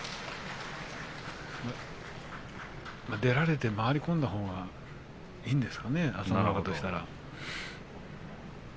出られて回り込んだほうがいいですかね朝乃若としたら。